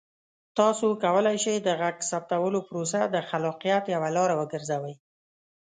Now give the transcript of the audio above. تاسو کولی شئ د غږ ثبتولو پروسه د خلاقیت یوه لاره وګرځوئ.